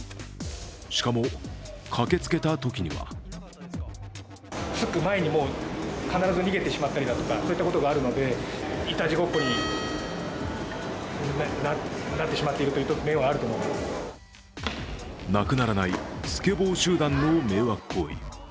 しかも駆けつけたときにはなくならないスケボー集団の迷惑行為。